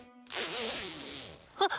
あ！